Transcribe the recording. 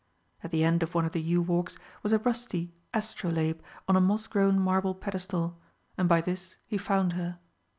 At the end of one of the yew walks was a rusty astrolabe on a moss grown marble pedestal, and by this he found her.